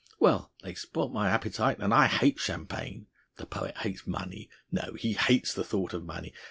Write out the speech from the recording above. Well, they spoilt my appetite, and I hate champagne! ... The poet hates money.... No, he 'hates the thought of money.